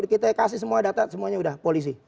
kita kasih semua data semuanya sudah polisi